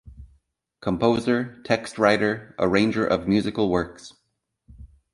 Composer, text writer, arranger of musical works.